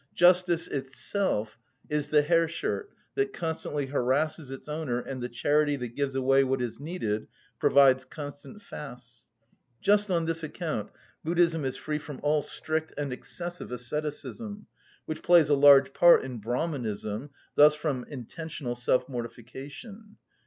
Justice itself is the hair shirt that constantly harasses its owner and the charity that gives away what is needed, provides constant fasts.(45) Just on this account Buddhism is free from all strict and excessive asceticism, which plays a large part in Brahmanism, thus from intentional self‐mortification.